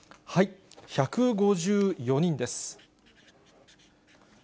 １５４人です。